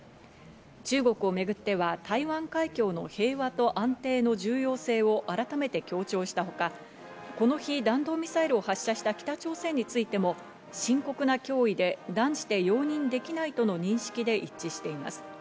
中国をめぐっては、台湾海峡の平和と安定の重要性を改めて強調したほか、この日、弾道ミサイルを発射した北朝鮮についても、深刻な脅威で断じて容認できないとの認識で一致しています。